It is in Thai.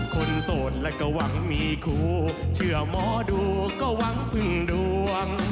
โสดและก็หวังมีครูเชื่อหมอดูก็หวังพึ่งดวง